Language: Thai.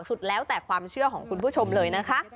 สุดแล้วแต่ความเชื่อของคุณผู้ชมเลยนะคะ